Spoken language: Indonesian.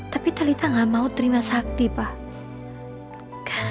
tapi talita gak mau terima sakti pak